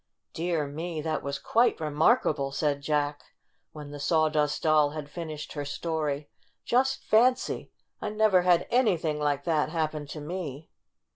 "Dear me! That was quite remark able," said Jack, when the Sawdust Doll had finished her story. "Just fancy! I never had anything like that happen to me!"